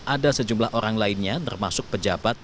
ada sejumlah orang lainnya termasuk pejabat